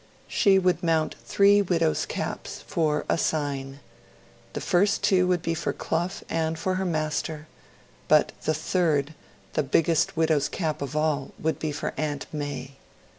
She would mount three widow's caps 'for a sign'. The first two would be for Clough and for her Master; but the third 'the biggest widow's cap of all' would be for Aunt Mai.